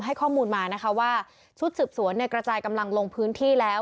ให้ข้อมูลมานะคะว่าชุดสืบสวนกระจายกำลังลงพื้นที่แล้ว